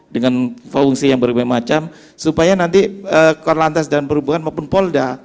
dengan fungsi yang berbeda macam supaya nanti korlantas dan perhubungan maupun polda